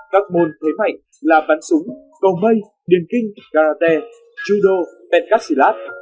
các môn thế mạnh là bắn súng cầu mây điền kinh karate judo pencastilat